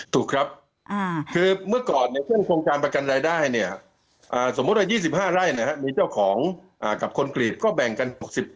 ถูกครับคือเมื่อก่อนเช่นโครงการประกันรายได้เนี่ยสมมุติว่า๒๕ไร่มีเจ้าของกับคนกรีตก็แบ่งกัน๖๐